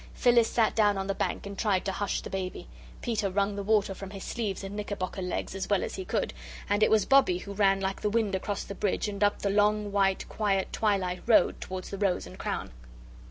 Phyllis sat down on the bank and tried to hush the baby. Peter wrung the water from his sleeves and knickerbocker legs as well as he could, and it was Bobbie who ran like the wind across the bridge and up the long white quiet twilight road towards the 'Rose and Crown.'